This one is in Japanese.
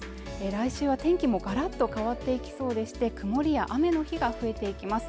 来週は天気もがらっと変わっていきそうでして曇りや雨の日が増えていきます